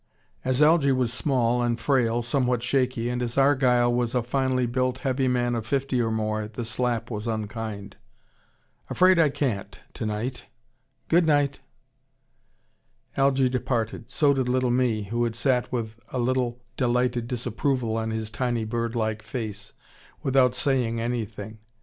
As Algy was small and frail, somewhat shaky, and as Argyle was a finely built, heavy man of fifty or more, the slap was unkind. "Afraid I can't tonight. Good night " Algy departed, so did little Mee, who had sat with a little delighted disapproval on his tiny, bird like face, without saying anything.